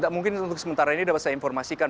mungkin untuk sementara ini dapat saya informasikan